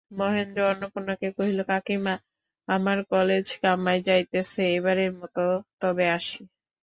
মহেন্দ্র অন্নপূর্ণাকে কহিল, কাকীমা, আমার কালেজ কামাই যাইতেছে–এবারকার মতো তবে আসি।